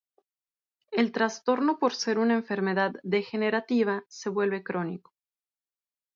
El trastorno por ser una enfermedad degenerativa se vuelve crónico.